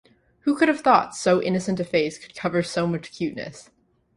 Who could have thought so innocent a face could cover so much cuteness.